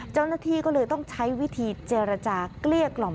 เจ้าหน้าที่ก็เลยต้องใช้วิธีเจรจาเกลี้ยกล่อม